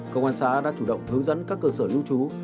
công an xã đã chủ động hướng dẫn các cơ sở lưu trú